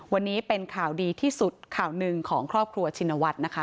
วันนี้เป็นข่าวดีที่สุดข่าวหนึ่งของครอบครัวชินวัฒน์นะคะ